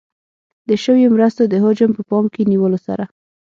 د شویو مرستو د حجم په پام کې نیولو سره.